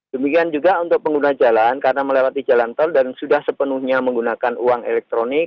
demikian juga untuk pengguna jalan karena melewati jalan tol dan sudah sepenuhnya menggunakan uang elektronik